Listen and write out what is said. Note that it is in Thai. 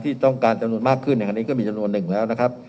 ที่ต้องการจำนวนมากขึ้นในขณะนี้ก็มีจำนวนหนึ่งแล้วนะครับ